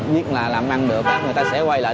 viết là làm ăn được đó người ta sẽ quay lại